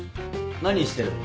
何してるの？